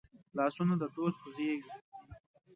لاسونه د دوست غېږ دي